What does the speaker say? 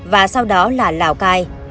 và sau đó là lào cai